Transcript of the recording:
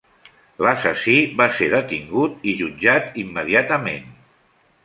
L'assassí va ser detingut i jutjat immediatament.